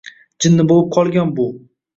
Jinni bo‘lib qolgan bu.